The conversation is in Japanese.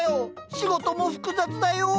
仕事も複雑だよ！